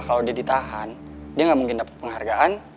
kalau dia ditahan dia gak mungkin dapet penghargaan